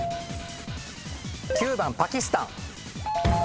９番パキスタン。